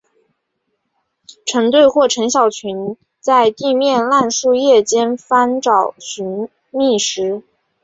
成对或成小群在地面烂树叶间翻找觅食。